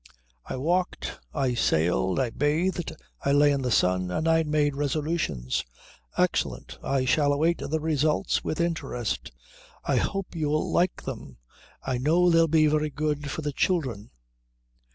"I walked, I sailed, I bathed, I lay in the sun, and I made resolutions." "Excellent. I shall await the result with interest." "I hope you'll like them. I know they'll be very good for the children."